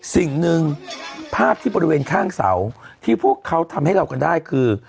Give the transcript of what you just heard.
สิ่งหนึ่งภาพที่บริเวณข้างเสาที่พวกเขาทำให้เรากันได้คือ